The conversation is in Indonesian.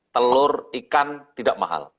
telur ikan tidak mahal